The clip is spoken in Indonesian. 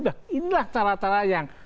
dan inilah cara cara yang